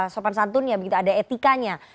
sopan santunnya ada etikanya